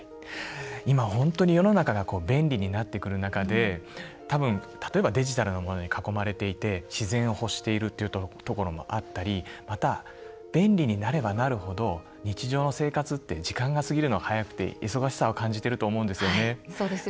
今、本当に世の中が便利になってくる中で、例えばデジタルなものに囲まれていて自然を欲しているというところもあったりまた、便利になればなるほど日常の生活って時間が過ぎるのが早くて、忙しさを感じてると思うんですよね。